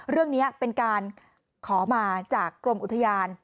เรื่องนี้เป็นการขอมาจากกรมอุทยาน